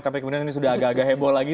tapi kemudian ini sudah agak agak heboh lagi